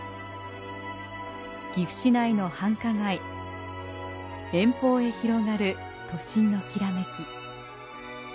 岐阜市内の繁華街、遠方へ広がる都心のきらめき。